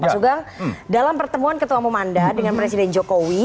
pak sugeng dalam pertemuan ketua umum anda dengan presiden jokowi